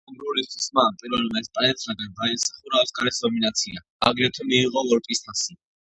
ამ როლისთვის მან, პირველმა ესპანელთაგან, დაიმსახურა ოსკარის ნომინაცია, აგრეთვე მიიღო ვოლპის თასი.